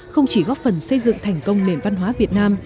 không chỉ góp phần xây dựng thành công nền văn hóa việt nam